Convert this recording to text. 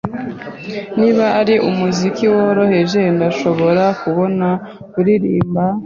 Niba ari umuziki woroheje, ndashobora kubona-kuririmba.